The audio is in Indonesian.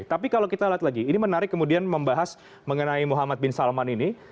tapi kalau kita lihat lagi ini menarik kemudian membahas mengenai muhammad bin salman ini